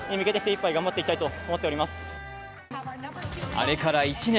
あれから１年。